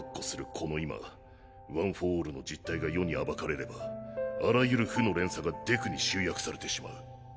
この今ワン・フォー・オールの実態が世に暴かれればあらゆる負の連鎖がデクに集約されてしまう。